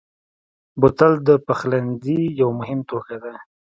بوتل د پخلنځي یو مهم توکی دی.